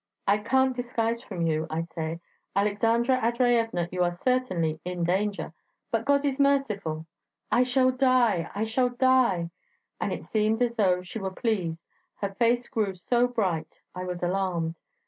'I can't disguise from you,' I say, 'Aleksandra Andreyevna; you are certainly in danger; but God is merciful.' 'I shall die, I shall die.' And it seemed as though she were pleased; her face grew so bright; I was alarmed.